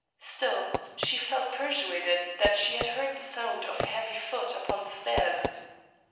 Still she felt persuaded that she had heard the sound of a heavy foot upon the stairs.